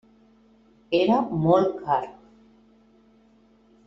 Era molt car.